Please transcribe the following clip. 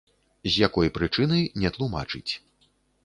З якой прычыны, не тлумачыць.